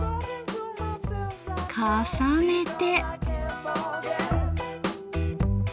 重ねて。